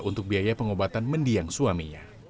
untuk biaya pengobatan mendiang suaminya